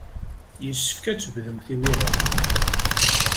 Yessefk ad tebdumt imir-a.